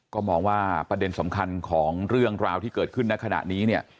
ก็มองว่าประเด็นสำคัญของเรื่องราวที่เกิดขึ้นในขณะนี้เนี่ย